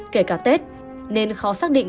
kể cả tết nên khó xác định